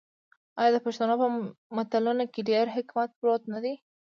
آیا د پښتنو په متلونو کې ډیر حکمت پروت نه دی؟